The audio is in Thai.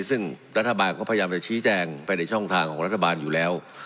ซึ่งรัฐบาลก็พยายามจะชี้แจงไปในช่องทางของรัฐบาลอยู่แล้ว